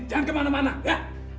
jangan kemana mana ya